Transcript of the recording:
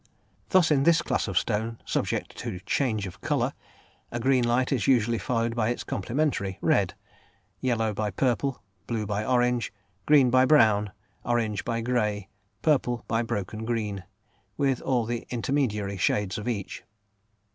Thus in this class of stone, subject to "change of colour," a green light is usually followed by its complementary, red, yellow by purple, blue by orange, green by brown, orange by grey, purple by broken green, with all the intermediary shades of each.